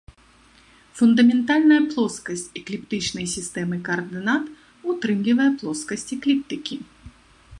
Фундаментальная плоскасць экліптычнай сістэмы каардынат ўтрымлівае плоскасць экліптыкі.